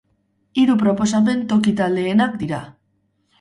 Hiru proposamen toki taldeenak dira.